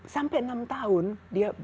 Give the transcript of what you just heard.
sampai enam tahun dia